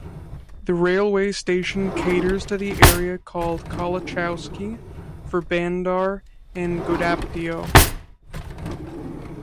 The railway station caters to the area called Kalachowki, Ferbandar and Ghodapdeo.